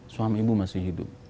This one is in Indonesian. suami ibu masih hidup